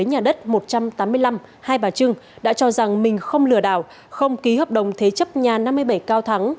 nhà đất một trăm tám mươi năm hai bà trưng đã cho rằng mình không lừa đảo không ký hợp đồng thế chấp nhà năm mươi bảy cao thắng